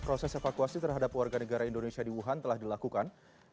proses evakuasi terhadap warga negara indonesia di wuhan telah dilakukan